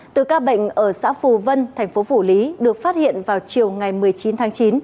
từ ca bệnh ở xã phù vân thành phố phủ lý được phát hiện vào chiều ngày một mươi chín tháng chín